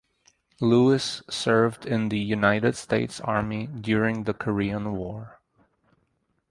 Lewis served in the United States Army during the Korean War.